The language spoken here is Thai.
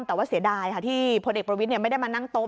แต่ว่าเสียดายค่ะที่พลเอกประวิทย์ไม่ได้มานั่งโต๊